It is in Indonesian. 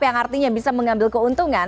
yang artinya bisa mengambil keuntungan